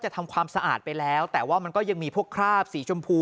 ทำความสะอาดไปแล้วแต่ว่ามันก็ยังมีพวกคราบสีชมพู